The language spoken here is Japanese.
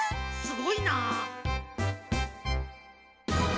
すごいなあ。